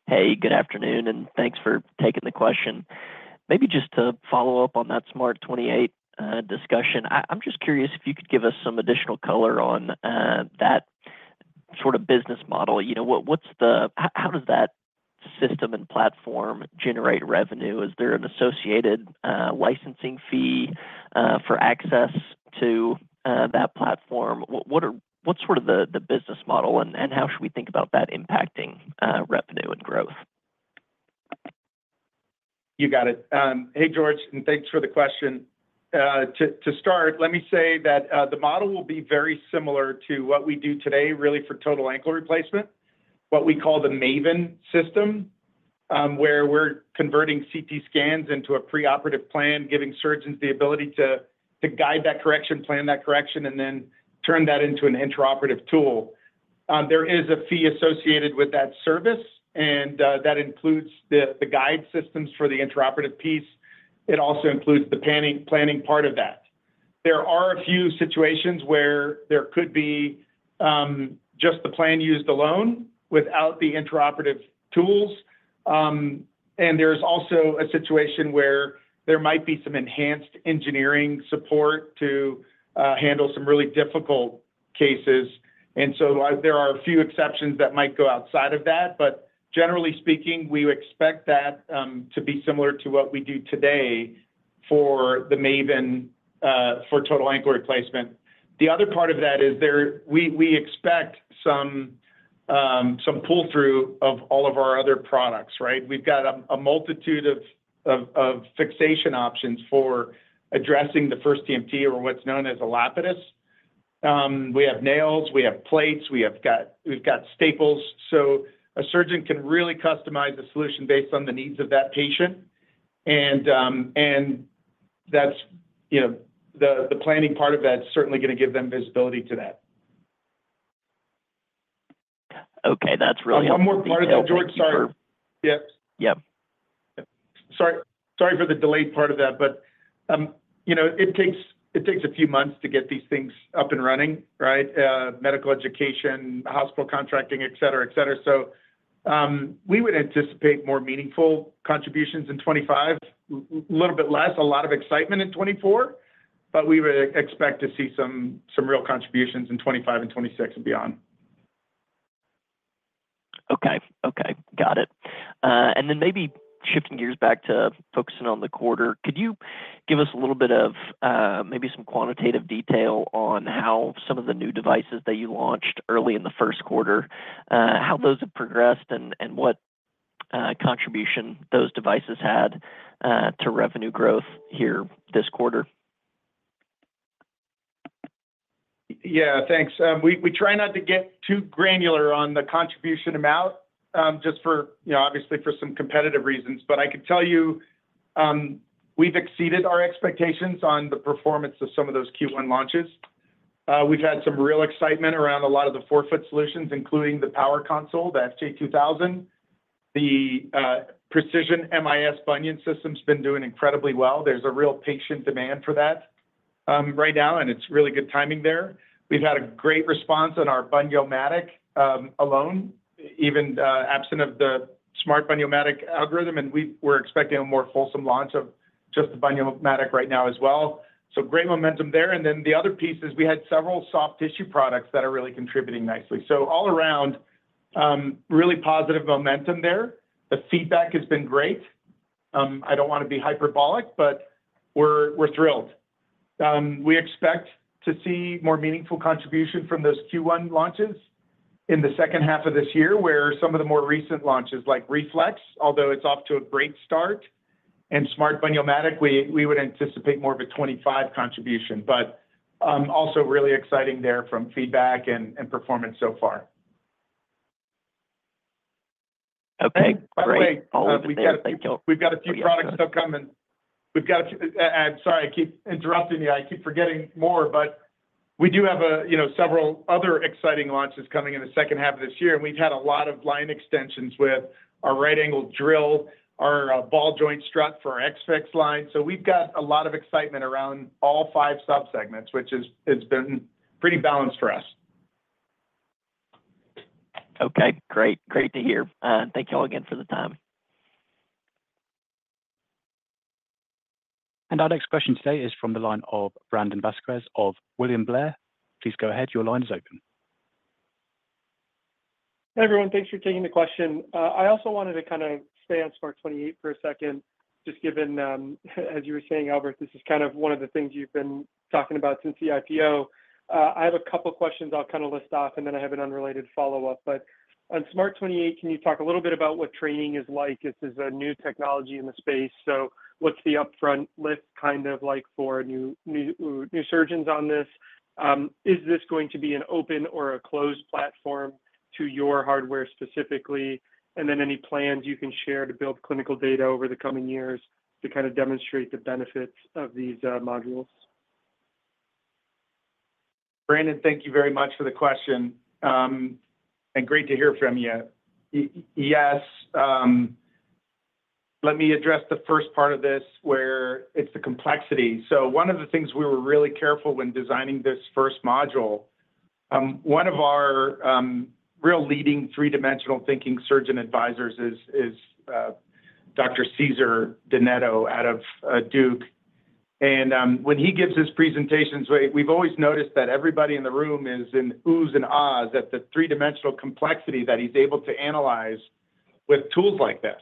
Hey, good afternoon, and thanks for taking the question. Maybe just to follow up on that Smart 28 discussion, I'm just curious if you could give us some additional color on that sort of business model. You know, what's the - how does that system and platform generate revenue? Is there an associated licensing fee for access to that platform? What's sort of the business model, and how should we think about that impacting revenue and growth? You got it. Hey, George, and thanks for the question. To start, let me say that the model will be very similar to what we do today, really for total ankle replacement, what we call the MAVEN system, where we're converting CT scans into a preoperative plan, giving surgeons the ability to guide that correction, plan that correction, and then turn that into an intraoperative tool. There is a fee associated with that service, and that includes the guide systems for the intraoperative piece. It also includes the planning part of that. There are a few situations where there could be just the plan used alone without the intraoperative tools. There's also a situation where there might be some enhanced engineering support to handle some really difficult cases. And so there are a few exceptions that might go outside of that, but generally speaking, we expect that to be similar to what we do today for the Maven for total ankle replacement. The other part of that is we expect some pull-through of all of our other products, right? We've got a multitude of fixation options for addressing the first TMT or what's known as a Lapidus. We have nails, we have plates, we've got staples. So a surgeon can really customize the solution based on the needs of that patient. And that's, you know, the planning part of that is certainly going to give them visibility to that. Okay, that's really- One more part of that, George, sorry. Yep. Yep. Sorry, sorry for the delayed part of that, but, you know, it takes, it takes a few months to get these things up and running, right? Medical education, hospital contracting, et cetera, et cetera. So, we would anticipate more meaningful contributions in 2025, little bit less, a lot of excitement in 2024, but we would expect to see some, some real contributions in 2025 and 2026 and beyond. Okay. Okay, got it. And then maybe shifting gears back to focusing on the quarter, could you give us a little bit of, maybe some quantitative detail on how some of the new devices that you launched early in the first quarter, how those have progressed and, and what, contribution those devices had, to revenue growth here this quarter? Yeah, thanks. We try not to get too granular on the contribution amount, just for, you know, obviously for some competitive reasons. But I can tell you, we've exceeded our expectations on the performance of some of those Q1 launches. We've had some real excitement around a lot of the forefoot solutions, including the power console, the FJ2000. The Precision MIS Bunion System's been doing incredibly well. There's a real patient demand for that right now, and it's really good timing there. We've had a great response on our Bun-yo-matic alone, even absent of the SMART Bun-yo-matic algorithm, and we're expecting a more wholesome launch of just the Bun-yo-matic right now as well. So great momentum there. And then the other piece is we had several soft tissue products that are really contributing nicely. So all around, really positive momentum there. The feedback has been great. I don't want to be hyperbolic, but we're, we're thrilled. We expect to see more meaningful contribution from those Q1 launches in the second half of this year, where some of the more recent launches, like Reflex, although it's off to a great start, and Smart Bun-yo-matic, we, we would anticipate more of a 25 contribution. But, also really exciting there from feedback and, and performance so far. Okay, great. By the way, we've got a few products still coming. We've got a few - sorry, I keep interrupting you. I keep forgetting more, but we do have, you know, several other exciting launches coming in the second half of this year, and we've had a lot of line extensions with our right angle drill, our ball joint strut for our XFix line. So we've got a lot of excitement around all five subsegments, which is - it's been pretty balanced for us.... Okay, great. Great to hear. Thank you all again for the time. Our next question today is from the line of Brandon Vazquez of William Blair. Please go ahead. Your line is open. Hi, everyone. Thanks for taking the question. I also wanted to kinda stay on Smart 28 for a second, just given, as you were saying, Albert, this is kind of one of the things you've been talking about since the IPO. I have a couple questions I'll kind of list off, and then I have an unrelated follow-up. But on Smart 28, can you talk a little bit about what training is like? This is a new technology in the space, so what's the upfront list kind of like for new, new, new surgeons on this? Is this going to be an open or a closed platform to your hardware specifically? And then any plans you can share to build clinical data over the coming years to kind of demonstrate the benefits of these, modules. Brandon, thank you very much for the question, and great to hear from you. Yes, let me address the first part of this, where it's the complexity. So one of the things we were really careful when designing this first module, one of our real leading three-dimensional thinking surgeon advisors is Dr. Cesar de Cesar Netto out of Duke. And when he gives his presentations, we've always noticed that everybody in the room is in oohs and ahhs at the three-dimensional complexity that he's able to analyze with tools like this.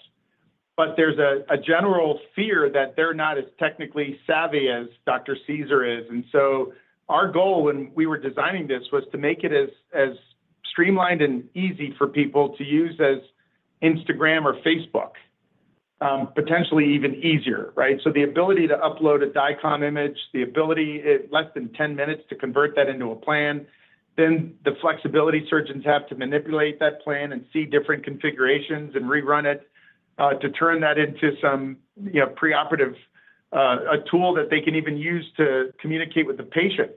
But there's a general fear that they're not as technically savvy as Dr. Cesar is. And so our goal when we were designing this was to make it as streamlined and easy for people to use as Instagram or Facebook, potentially even easier, right? So the ability to upload a DICOM image, the ability, less than 10 minutes to convert that into a plan, then the flexibility surgeons have to manipulate that plan and see different configurations and rerun it, to turn that into some, you know, preoperative, a tool that they can even use to communicate with the patient.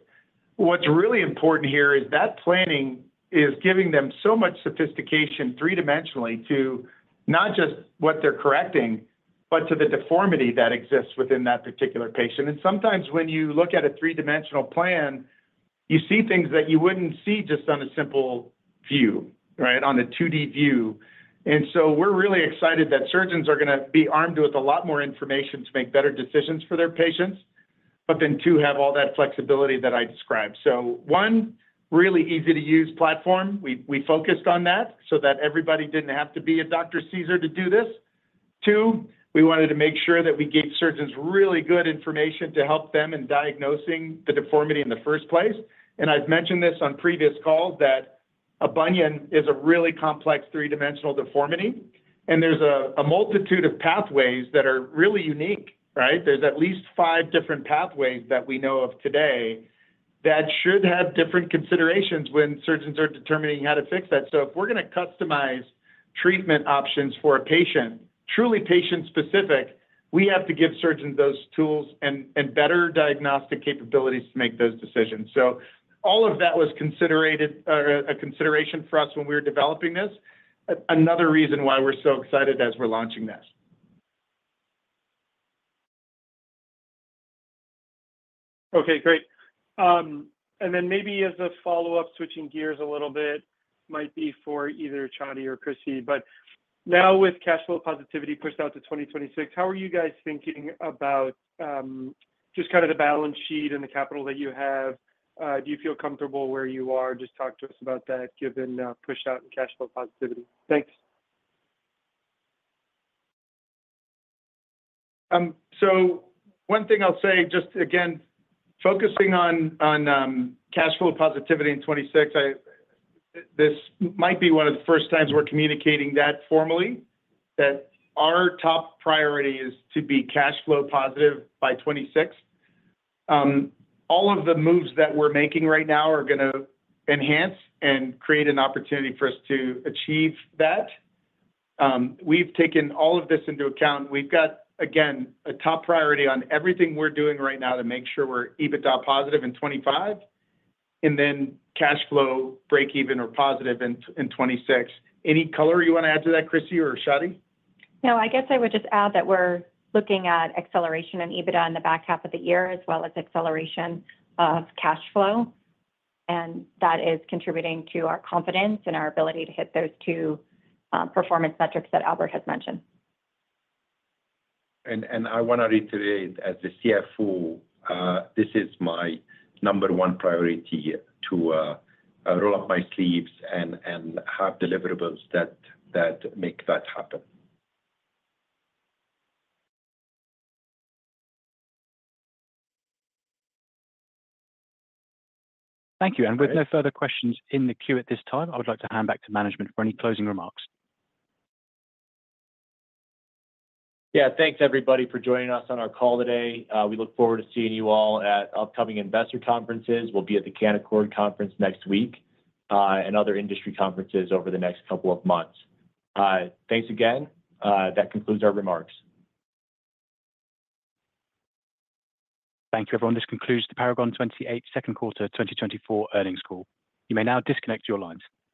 What's really important here is that planning is giving them so much sophistication three-dimensionally to not just what they're correcting, but to the deformity that exists within that particular patient. And sometimes when you look at a three-dimensional plan, you see things that you wouldn't see just on a simple view, right, on a 2D view. And so we're really excited that surgeons are gonna be armed with a lot more information to make better decisions for their patients, but then, two, have all that flexibility that I described. So, 1, really easy to use platform. We, we focused on that so that everybody didn't have to be a Dr. Cesar to do this. 2, we wanted to make sure that we gave surgeons really good information to help them in diagnosing the deformity in the first place. And I've mentioned this on previous calls, that a bunion is a really complex three-dimensional deformity, and there's a multitude of pathways that are really unique, right? There's at least 5 different pathways that we know of today that should have different considerations when surgeons are determining how to fix that. So if we're gonna customize treatment options for a patient, truly patient-specific, we have to give surgeons those tools and better diagnostic capabilities to make those decisions. So all of that was considered, a consideration for us when we were developing this. Another reason why we're so excited as we're launching this. Okay, great. And then maybe as a follow-up, switching gears a little bit, might be for either Shadi or Chrissy, but now with cash flow positivity pushed out to 2026, how are you guys thinking about, just kind of the balance sheet and the capital that you have? Do you feel comfortable where you are? Just talk to us about that, given, push out and cash flow positivity. Thanks. So one thing I'll say, just again, focusing on cash flow positivity in 2026, this might be one of the first times we're communicating that formally, that our top priority is to be cash flow positive by 2026. All of the moves that we're making right now are gonna enhance and create an opportunity for us to achieve that. We've taken all of this into account. We've got, again, a top priority on everything we're doing right now to make sure we're EBITDA positive in 2025, and then cash flow, breakeven or positive in 2026. Any color you want to add to that, Chrissy or Shadi? No, I guess I would just add that we're looking at acceleration in EBITDA in the back half of the year, as well as acceleration of cash flow, and that is contributing to our confidence and our ability to hit those two performance metrics that Albert has mentioned. I want to reiterate, as the CFO, this is my number one priority to roll up my sleeves and have deliverables that make that happen. Thank you. With no further questions in the queue at this time, I would like to hand back to management for any closing remarks. Yeah, thanks, everybody, for joining us on our call today. We look forward to seeing you all at upcoming investor conferences. We'll be at the Canaccord conference next week, and other industry conferences over the next couple of months. Thanks again. That concludes our remarks. Thank you, everyone. This concludes the Paragon 28 second quarter 2024 earnings call. You may now disconnect your lines.